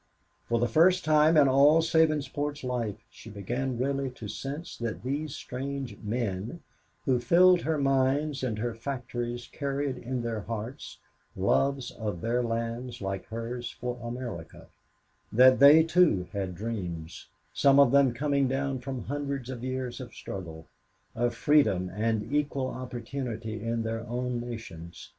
For the first time in all Sabinsport's life, she began really to sense that these strange men who filled her mines and her factories carried in their hearts loves for their lands like hers for America; that they, too, had dreams some of them coming down from hundreds of years of struggle of freedom and equal opportunity in their own nations.